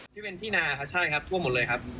ที่เป็นที่นาครับใช่ครับท่วมหมดเลยครับ